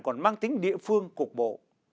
còn mang tính địa phương cục bộ